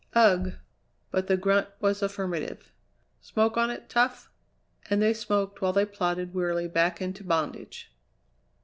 "Ugh!" But the grunt was affirmative. "Smoke on it, Tough?" And they smoked while they plodded wearily back into bondage.